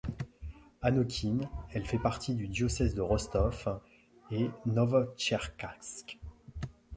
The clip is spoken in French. Anokhine elle fait partie du diocèse de Rostov et Novotcherkassk.